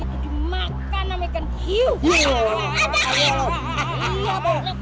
akhirnya kalian datang juga